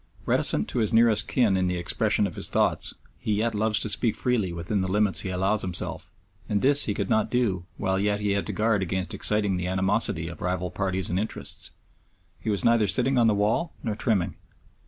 Reticent to his nearest kin in the expression of his thoughts, he yet loves to speak freely within the limits he allows himself, and this he could not do while yet he had to guard against exciting the animosity of rival parties and interests. He was neither sitting on the wall nor trimming.